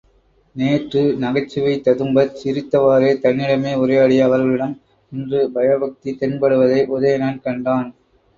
நேற்று நகைச்சுவை ததும்பச் சிரித்தவாறே தன்னிடமே உரையாடிய அவர்களிடம் இன்று பயபக்தி தென்படுவதை உதயணன் கண்டான்.